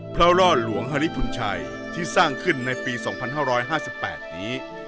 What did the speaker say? ร่อหลวงฮาริพุนชัยที่สร้างขึ้นในปี๒๕๕๘นี้